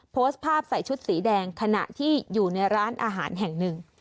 โพสต์ภาพใส่ชุดสีแดงขณะที่อยู่ในร้านอาหารแห่งหนึ่ง